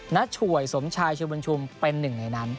ฉวยสมชายช่วยบุญชุมเป็นหนึ่งในนั้น